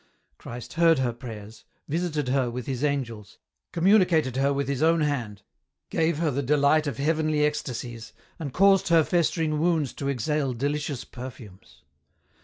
Christ heard her prayers, visited her with His angels, com municated her with His own hand, gave her the delight of heavenly ecstasies, and caused her festering wounds to exhale delicious perfumes.